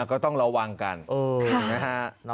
ก็ต้องระวังกัน